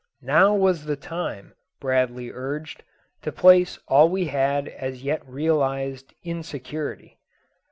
Now was the time, Bradley urged, to place all we had as yet realised in security.